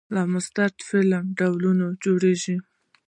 له مصدره د فعل ډولونه جوړیږي.